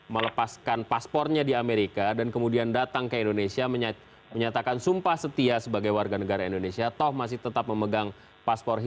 maka codtul sedang mengatakan buay purin mol area yang sudah digesit asik